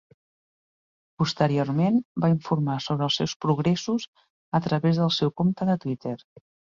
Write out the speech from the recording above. Posteriorment, va informar sobre els seus progressos a través del seu compte de Twitter.